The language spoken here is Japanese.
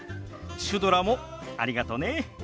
シュドラもありがとね。